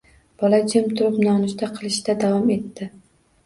Bola jim turib nonushta qilishda davom etdi